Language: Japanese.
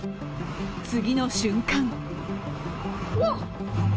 次の瞬間